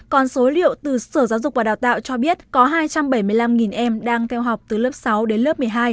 còn số liệu từ sở giáo dục và đào tạo cho biết có hai trăm bảy mươi năm em đang theo học từ lớp sáu đến lớp một mươi hai